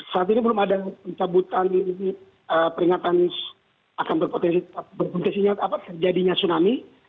saat ini belum ada pencabutan peringatan akan berpotensi berpotensi apa sejadinya tsunami